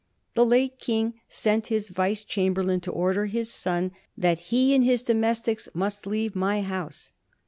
The late King sent his vice chamberlain to order his son " that he and his domestics must leave my house."